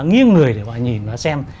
nghiêng người để bà nhìn và xem